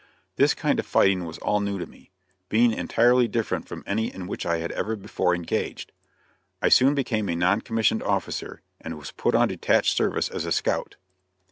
This kind of fighting was all new to me, being entirely different from any in which I had ever before engaged. I soon became a non commissioned officer, and was put on detached service as a scout.